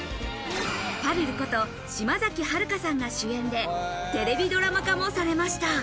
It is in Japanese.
ぱるること島崎遥香さんが主演で、テレビドラマ化もされました。